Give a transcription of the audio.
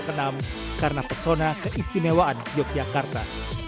yogyakarta terkenal karena persona keistimewaan yogyakarta